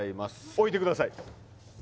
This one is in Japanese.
置いてください